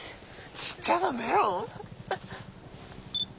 ちっちゃなメロン⁉